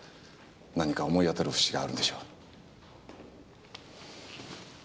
何か思い当たる節があるんでしょう。